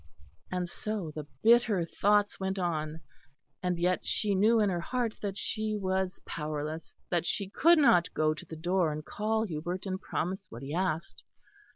And so the bitter thoughts went on; and yet she knew in her heart that she was powerless; that she could not go to the door and call Hubert and promise what he asked.